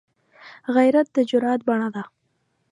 غیرت د جرئت بڼه ده